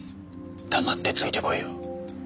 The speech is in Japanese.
黙ってついて来いよ。